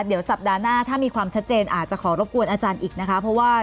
เดี๋ยวสัปดาห์หน้าถ้ามีความชัดเจนอาจจะขอรบกวนอาจารย์อีกนะคะเพราะว่า